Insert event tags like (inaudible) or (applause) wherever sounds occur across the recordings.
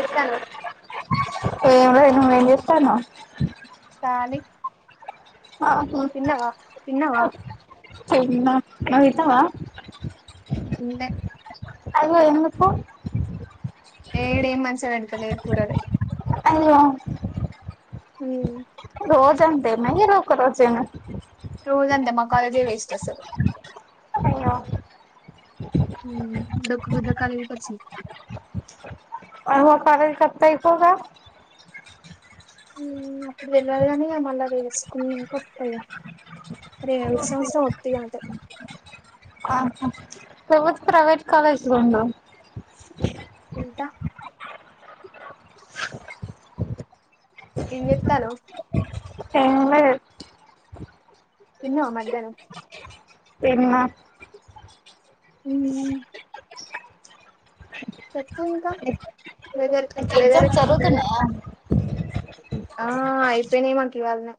ఎత్తను ఏంలే నువ్ ఏం జెస్తునవ్ కానీ ఆహా తిన్నవా (inaudible) తిన్నా నువ్ తిన్నవా తిండ్లే అదే ఎందుకు ఏ ఇడేం మంచిగా పెడ్తలేరు కూరలే అయ్యో ఉమ్ రోజు అంతేనా ఈ ఒక్కరోజెనా రోజు అంతే మా కాలజే వేస్ట్ అసల్. అయ్యే (unintelligible) అవో (unintelligible) ఇక్కువగా హ్మ్ రెగ్యులర్ గాని మళ్ళా వేసుకునికి వస్తాయి (unintelligible) ఆహా! (unintelligible) ప్రైవేట్ కాలజ్ ఉండవు ఉంటా ఏం జెత్తనవ్ ఎంలేద్ తినవా మధ్యాహ్నం? తిన్న ఉమ్ మ్ చెప్పు ఇంకా? వెదర్ వెదర్ ఎగ్జామ్ చుడుతున్నావా? ఆ అయిపోయినా మాకు ఇవాళనె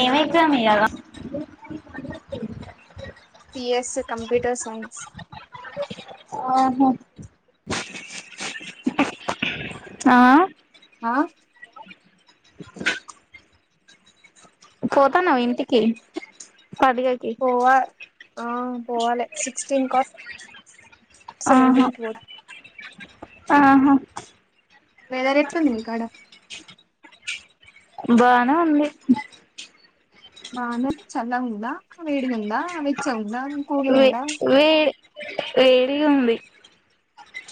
ఏం ఎగ్జామ్ ఇయిలా? సీఎస్ కంప్యూటర్ సైన్స్ ఆహ ఆ ఆ పోతాన్నా ఇంటికి పండుగకి? పోవా ఆ పోవాలి సిక్స్టీన్ క ఆహా (unintelligible) ఆహా వెదర్ ఎట్ల ఉంది మీకాడ? బానే ఉంది బానే అంటే, చల్లగ ఉందా? వేడిగా ఉందా? వెచ్చగ ఉందా? కూల్గా వె ఉందా వే వేడిగుంది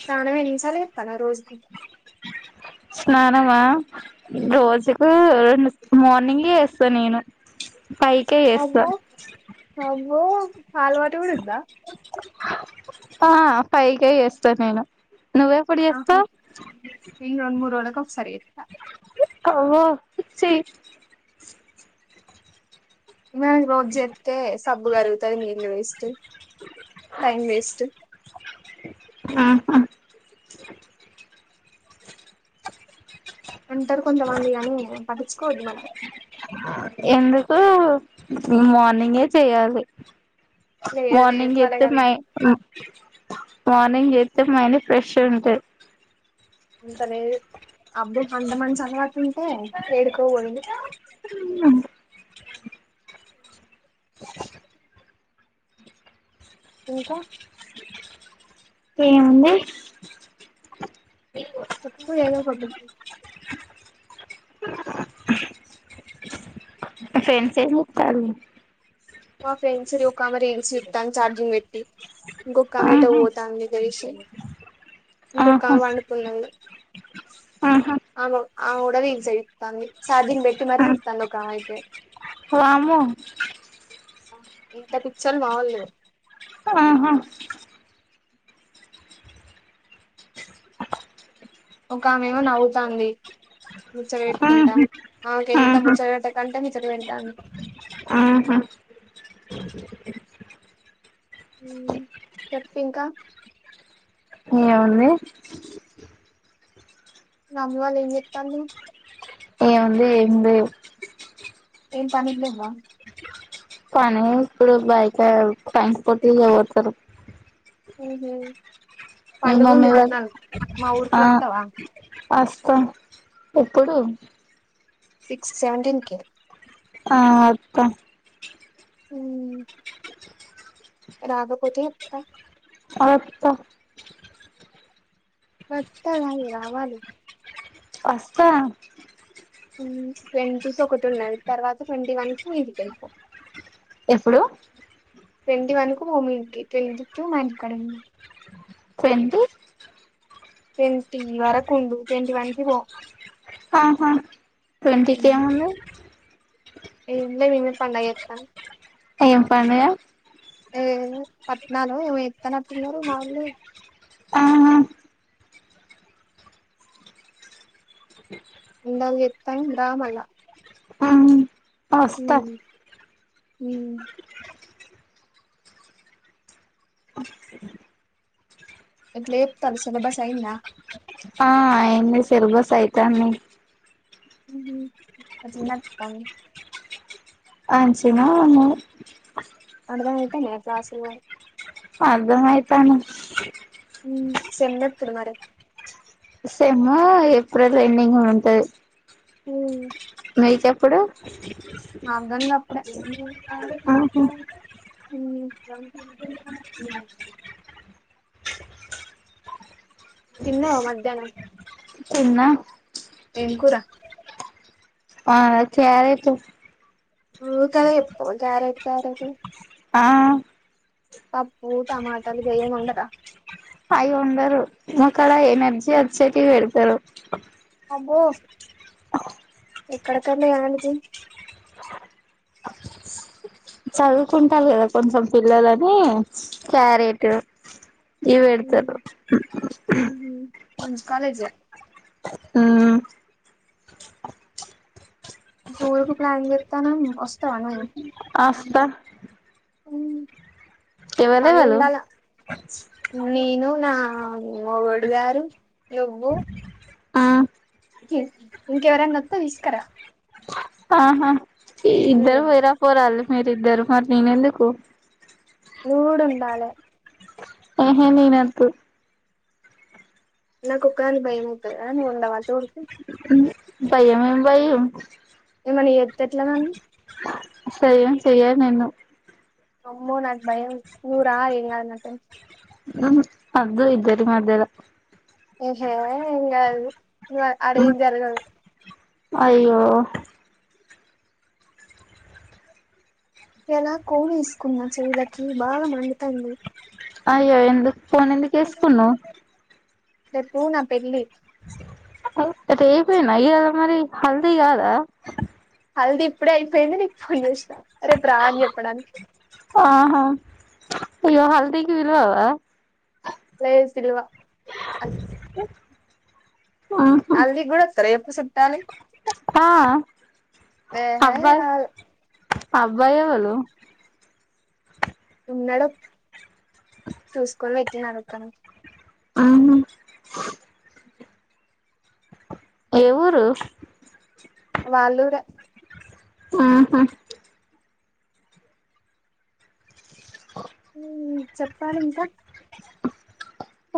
(unintelligible) రోజుకు స్నానమా? రోజుకు రెండు స్ మార్నింగ్ చేస్తా నేను. ఫైవ్ కే చేస్తా అమ్మో ఆ అలవాటు కూడా ఉందా? ఆ ఫైవ్ కే చేస్తా నేను. నువ్వు ఎప్పుడు ఆహా చేస్తావ్? నేను రెండు మూడు రోజులకు ఒకసారి చేత్తా (unintelligible) మేం రోజు చేస్తే, సబ్బు కరుగుతది నీళ్ళు వేస్ట్. టైమ్ వేస్ట్ ఆహా అంటారు కొంతమంది కానీ, పటించుకోవద్ది మనం. ఎందుకు? మార్నింగే చెయాలి. లేదు లేదు మార్ర్నింగ్ అయితే మనకి అం (unintelligible) మార్నింగ్ చేస్తే మైండ్ ఫ్రెష్ ఉంట. అంత లేదు. (unintelligible) అంత మంచలవాటు ఉంటే ఏడికో పోయిండు (unintelligible) ఇంకా? ఏం ఉంది? చెప్పు ఎదో ఒకటి (unintelligible) ఇంకా (unintelligible) మా ఫ్రెండ్స్ రి ఒకకామె రీల్స్ యూతంది చార్జింగ్ పెట్టి ఇంకోకమే ఏటో ఆహా ఒతంది మీదెల్షి ఆహా ఇంకొకమే వండుకున్నది ఇగ ఆహా ఆ కూడా రీల్స్ ఏ జూతంది ఛార్జింగ్ పెట్టి మరి చూస్తంది ఒకామయితే వామ్మో ఇంత పిచోళ్లు మావోళ్లు ఆహా ఒక ఆమె ఎమో నవ్వుతంది. ముచ ఆహా వెటుకుంటా ఆమే ఎంత ఆహా ముచ వెటకంటే ని ఒకటి వెడ్తాను నీకు ఆహా చెప్ ఇంకా ఏముంది మీ మమ్మీ వాళ్ళు ఏం జేతల్లు ఏముంది ఏం లేదు ఏం పనిలేవ్వ కానీ ఇప్పుడ బయకా ఫైన్స్ కొట్టి ఇక పోతరు ఊహూ మీ పండుగ ఉంది మమ్మీ వాళ్ళు బోనాలు మా ఊరికి ఆ వత్తవా అస్తా ఎప్పుడు సిక్స్ సెవెంటీన్ కి ఆ అత్తా ఊ రాకాపోతే చెప్తా అత్త వత్త గాదు రావాలి అస్తా ఊ ట్వంటీస్ ఒకటి ఉన్నది తర్వాత ట్వంటీ వన్ కి మీ ఇంటికి ఎల్లిపో ఎప్పుడు ట్వంటీ వన్ కు పో మీ ఇంటికి ట్వంటీ టూ మా ఇంటి కాడ వుం సెంటి ట్వంటీ వరకు ఉండు ట్వెంటీ వన్కి పో ఆహా ట్వంటీ కే ఉంది ఏం లే మేమే పండగ ఏతనం ఏం పండుగ ఏ పట్నాలో ఏవో తన పిల్లరు మాఊళ్లే ఆహా నాకు జెతాంది రామల్ల అమ్ అస్తా ఊ ఓ ఎట్ల ఎప్తలు సిలబస్ ఐందా తెరు బస్ అయితనయ్ ఊహు అచునచు పోండి అంచి నవును అడదమయితనయ క్లాస్ లు మరి అర్దమయితనయ్ ఊ సెమ్ ఎపుడు మరి సెము ఏప్రిల్ ఎండింగ్ ల ఉంటది ఊ మీకెప్పుడు ఆహా (unintelligible) ఊ తిన్నావా మధ్యాహ్నం తిన్న ఏం కూర అ కర్రేట్ ఊరకనే చెప్తావ్ కార్రోట్ కార్రోట్ ఆ పప్పు టమాటలు గేం ఉండడా మక్కడ ఎనర్జీ అర్చ్చకి పేడతారు అబ్బో ఎక్కడికన్నా ఏడికి చదువుకుంటారు కదా కొంచెం పిల్లలని క్యారెట్ ఇవెడతారు హ్మ్ కాలేజ్ హ్మ్మ్ టూర్ కు ప్లాన్ చేస్తాన వస్తావానువ్వు ఆస్త హ్మ్ మనీ ఉండాల నేను నా మీ మొగుడు గారు నువ్వు ఆ ఇంకెవరన్న వస్తే తీస్కార ఆహా ఇద్దరు పోయిరా పోరా మీరు ఇద్దరు మరి నేనెందుకు నువ్వు కూడా ఉండాలే ఆహే నేనెందు నా కొకదానికే భయం అవతదా నువు ఉండవ తొడ్కు భయమేం భయం ఏమన్నా చేస్తే ఎట్ల నన్ను అసలు ఏం చేయరు నిన్ను అమ్మో నాకు భయం నువ్వు రా ఏం కాదు నాతోటి ఆహా వొద్దు ఇద్దరి మధ్యలో ఏహే ఏం కాదు అడ ఏం జరగదు అయ్యో ఎలా కోనేసుకున్నా చేయిలకి బాగా మండుతంది అయ్యో ఎందుకు కానీ ఎందుకు వేస్కున్నావ్ రేపు నా పెళ్లి రేపేనా ఈయల మరి హల్ది కాదా హల్ది ఇప్పుడే అయిపోయింది నీకు ఫోన్ చేసినా రేపు రా అని చెప్పడానికి ఆహా అయో హల్దికి పిలవవ లేదు పిల్వ (unintelligible) హాల్దీకి కూడా వస్తారా చుట్టాలు ఆ ఏహే అబ్బాయి రారు అబ్బాయి వొళ్లు ఉన్నాడు చూసుకొని పెట్టినడుక్కను ఆ ఏ ఊరు వాళ్ళారే ఆహా హ్మ్ చెప్పాలి ఇంకా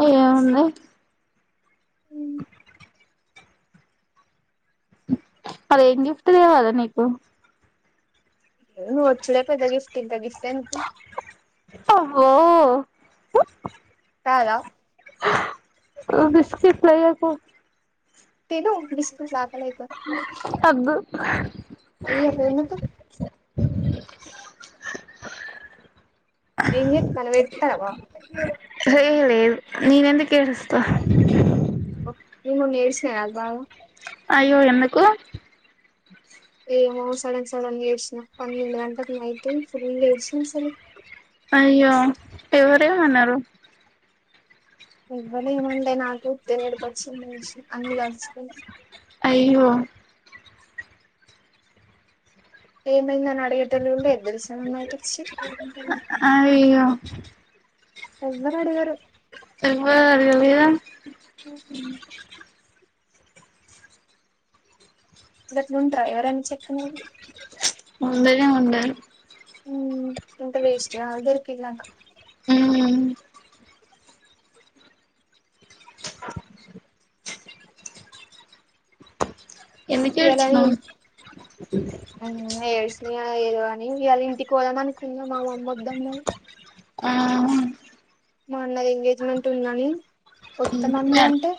ఏ ఉంది ఉమ్, అదేం గిఫ్ట్ దేలేదా నీకు నువ్వు వచ్చిండ్ల పెద్ద గిఫ్ట్ ఇకా గిఫ్ట్ ఎందుకు అబ్బో కాదా బిస్కిట్లేయకు తిను బిస్కెట్ల్ ఆకలైతే అబ్ అయ్యో ఎందుకు ఏం చేత్తన్నవ్ ఏడుత్తన్నావా ఏ లేదు నేనెందుకు ఏడుస్తా నేను మొన్న ఏడ్చిన కదు బాగా అయ్యో ఎందుకు ఏమో సడన్ సడన్ ఏసినా పన్నెండు గంటకి నైట్ ఫుల్ ఏడ్చినా అసలు అయ్యో ఎవరేమన్నారు ఎవ్వలె మనలే నాకు ఉత్తిగే ఏడుపు వచ్చింది ఏడ్చిన అందులో అచ్చినై అయ్యో ఏమైందని అడిగేటోళ్లు కూడా లేరు తెల్సా నాన్నతే ఛీ (inaudible) ఇవ్వర అడగారు అబ నేనుందిగా గట్లు ఉంట్రా ఎవరైన్న చెప్పునువ్వు ఉండనే ఉండరు ఎంత వేస్ట్గా అదేకిలాక్ మ్మ్ ఎందుకు ఇగలై ఏడ్చినవ్ ఉమ్ ఎడిశిన ఇగ ఏదో అ నేన్ ఇవాళ ఇంటికి పోదాం అనుకున్నా మామమ్మి వద్దన్నది ఆ హ్ మా అన్నది ఎంగేజ్మెంట్ ఉందని ఒత్త మమ్మీ అంటే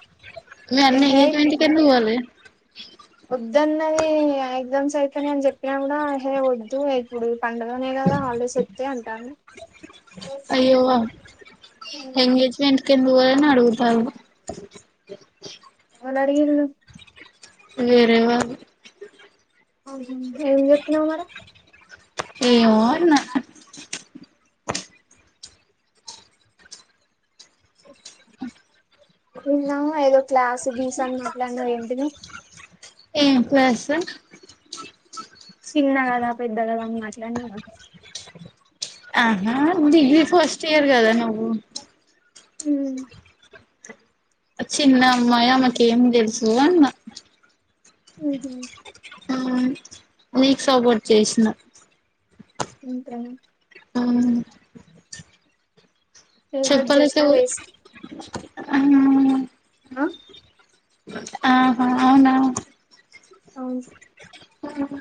మీ అన్న ఏహే ఎంగేజ్మెంట్ కి ఎందుకు పోలే వద్దన్నది ఇగ ఎగ్జామ్స్ అయిపోయినయ్ అని చెప్పినా కూడా హే వద్దు ఇప్పుడు పండగనే కదా హాలిడేస్ ఇత్తే అంటంది అయ్యో ఎంగేజ్మెంట్ కెందుకు పోలే అని అడుగుతారు ఎవడిగిర్రు వేరే వాల్లు నువ్వేం చెప్పినవ్ మరి ఏవో అన్న నిన్నా ఏదో క్లాస్ గీస్ అని మాట్లాడిన ఏంటిది ఎం క్లాసు చిన్నా కదా పెద్ద కదా మాట్లాడినవుగా ఆహా డిగ్రీ ఫస్ట్ ఇయర్ కదా నువ్వు ఉమ్ చిన్న అమ్మాయి ఆమెకిేం తెలుసు అన్న ఉహుం ఆ నీకు సపోర్ట్ చేసినా ఇంట్రన్ ఉమ్ చెప్పలెట్ల చేసినా వేస్ట్ ఆ ఆహా అవునా అవును ఉహ్